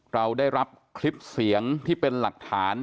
เราได้รับคลิปเสียงที่เป็นหลักฐาน